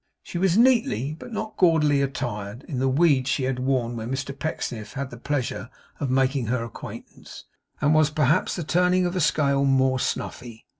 She was neatly, but not gaudily attired, in the weeds she had worn when Mr Pecksniff had the pleasure of making her acquaintance; and was perhaps the turning of a scale more snuffy.